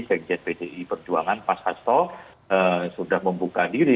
sekjen pdi perjuangan pasasto sudah membuka diri